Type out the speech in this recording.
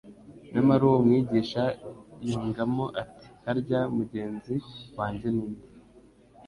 Nyamara uwo mwigisha yungamo ati : «Harya mugenzi wanjye ninde ?»